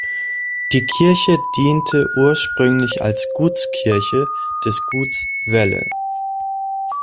Die Kirche diente ursprünglich als Gutskirche des Guts Welle.